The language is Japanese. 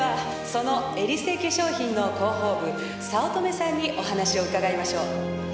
そのエリセ化粧品の広報部早乙女さんにお話を伺いましょう。